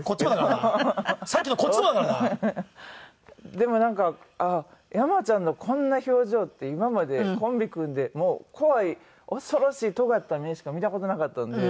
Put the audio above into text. でもなんかあっ山ちゃんのこんな表情って今までコンビ組んで怖い恐ろしいとがった目しか見た事なかったんで。